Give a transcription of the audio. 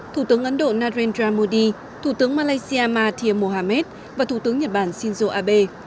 thủ tướng ấn độ narendra modi thủ tướng malaysia mathia mohammed và thủ tướng nhật bản shinzo abe